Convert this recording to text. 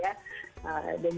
dan juga suasana